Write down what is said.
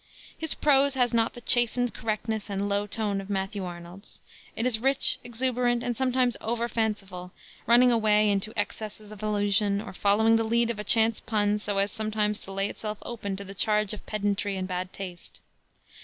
His prose has not the chastened correctness and "low tone" of Matthew Arnold's. It is rich, exuberant, and sometimes over fanciful, running away into excesses of allusion or following the lead of a chance pun so as sometimes to lay itself open to the charge of pedantry and bad taste.